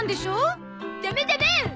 ダメダメ！